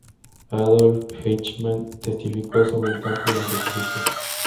Adolf Eichmann testificó sobre el campo durante su juicio.